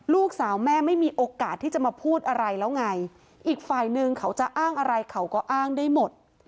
ลูกสาวแม่ไม่มีโอกาสที่จะมาพูดอะไรแล้วไงอีกฝ่ายนึงเขาจะอ้างอะไรเขาก็อ้างได้หมด